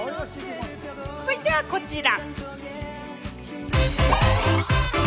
続いてはこちら。